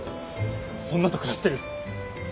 女と暮らしてる。